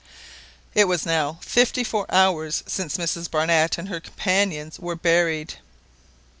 It was now fifty four hours since Mrs Barnett and her companions were buried!